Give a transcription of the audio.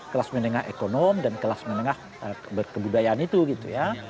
kelas menengah ekonom dan kelas menengah kebudayaan itu gitu ya